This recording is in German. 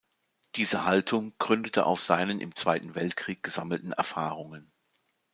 Diese Haltung gründete auf seinen im Zweiten Weltkrieg gesammelten Erfahrungen.